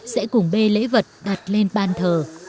sẽ cùng bê lễ vật đặt lên ban thờ